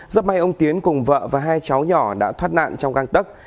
rất may ông tiến cùng vợ và hai cháu nhỏ đã thoát nạn trong căng tấc